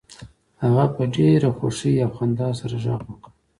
هغه په ډیره خوښۍ او خندا سره غږ وکړ